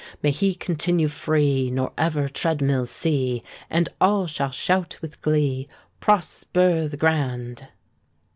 May he continue free, Nor ever tread mill see; And all shall shout with glee, Prosper the Grand!'